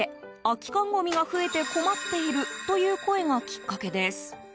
空き缶ごみが増えて困っているという声がきっかけです。